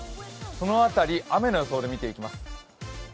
その辺り、雨の予想で見ていきます